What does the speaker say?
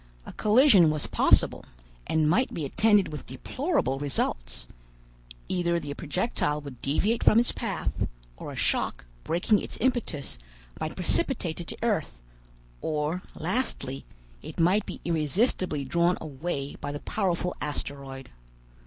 A collision was possible, and might be attended with deplorable results; either the projectile would deviate from its path, or a shock, breaking its impetus, might precipitate it to earth; or, lastly, it might be irresistibly drawn away by the powerful asteroid.